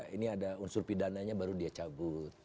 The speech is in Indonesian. ini ada unsur pidananya baru dia cabut